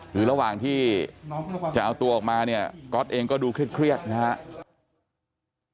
คือระหว่างที่จะเอาตัวออกมาเนี่ยก๊อตเองก็ดูเครียดนะครับ